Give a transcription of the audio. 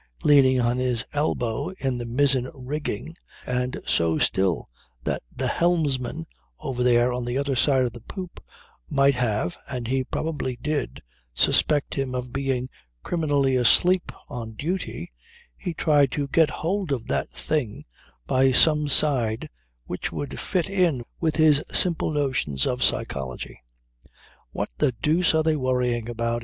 Leaning on his elbow in the mizzen rigging and so still that the helmsman over there at the other end of the poop might have (and he probably did) suspect him of being criminally asleep on duty, he tried to "get hold of that thing" by some side which would fit in with his simple notions of psychology. "What the deuce are they worrying about?"